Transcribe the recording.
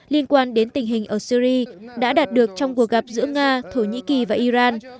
liên quan đến tình hình ở syri đã đạt được trong cuộc gặp giữa nga thổ nhĩ kỳ và iran